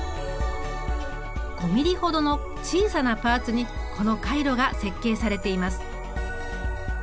５ミリほどの小さなパーツにこの回路が設計されています。